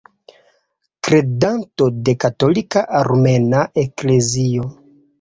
Kredanto de Katolika Armena Eklezio.